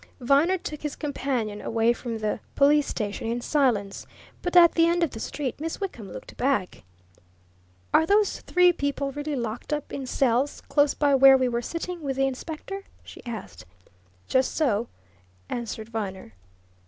Viner took his companion away from the police station in silence. But at the end of the street Miss Wickham looked back. "Are those three people really locked up in cells close by where we were sitting with the inspector?" she asked. "Just so," answered Viner.